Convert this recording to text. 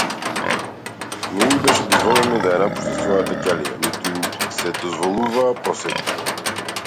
Не им беше дозволено да ја напуштаат својата ќелија, ниту им се дозволуваа посети.